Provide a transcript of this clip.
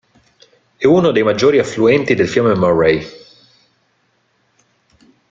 È uno dei maggiori affluenti del fiume Murray.